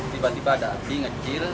tiba tiba ada api ngecil